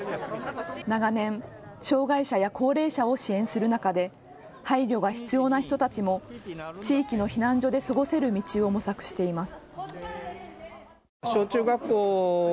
長年、障害者や高齢者を支援する中で配慮が必要な人たちも地域の避難所で過ごせる道を模索しています。